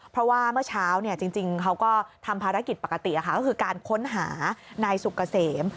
เพราะว่าเมื่อเช้าจริงเขาก็ทำภารกิจปกติก็คือการค้นหานายสุกเกษม